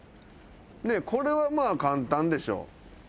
これはまあ簡単でしょ。